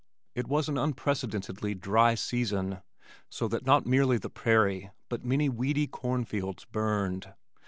It was an unprecedentedly dry season so that not merely the prairie, but many weedy cornfields burned.